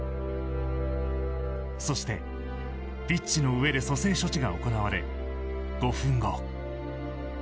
そしてピッチの上で蘇生処置が行われ５分後。